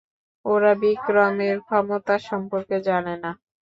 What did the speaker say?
ওরা বিক্রমের ক্ষমতা সম্পর্কে জানে না।